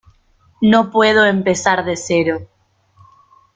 no puedo empezar de cero.